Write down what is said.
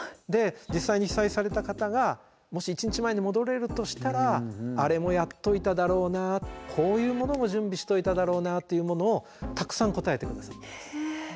で実際に被災された方がもし一日前に戻れるとしたらあれもやっといただろうなこういうものも準備しといただろうなというものをたくさん答えて下さっています。